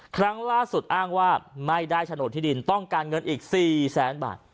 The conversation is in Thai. ครั้งล่าสุดอ้างว่าไม่ได้โฉนดที่ดินต้องการเงินอีก๔แสนบาท